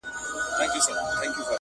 ورځ تیاره سوه توري وریځي سوې څرګندي!.